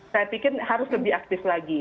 saya pikir harus lebih aktif lagi